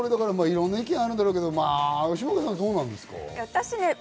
いろんな意見あるだろうけど、下川さんどうですか？